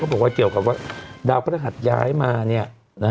ก็บอกว่าเต่ากับว่าดาวเพราหัสย้ายมาเนี่ย